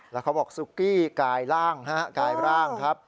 แล้วเขาบอกซุกี้กายร่างกายร่างครับ